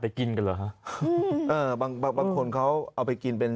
ไม่นานเลยแม่มากเลย